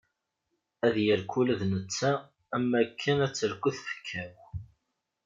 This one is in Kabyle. Ad yerku ula d netta am waken ara terku tfekka-w.